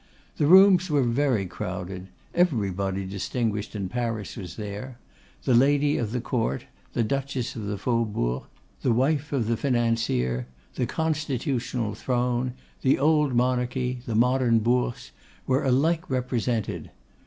The rooms were very crowded; everybody distinguished in Paris was there: the lady of the Court, the duchess of the Faubourg, the wife of the financier, the constitutional Throne, the old Monarchy, the modern Bourse, were alike represented.